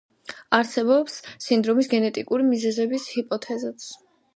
არსებობს სინდრომის გენეტიკური მიზეზების ჰიპოთეზაც.